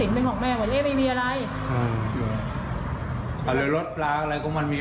ช่วยงานที่บ้านก็ช่วยดูแลรถไก่พ่อ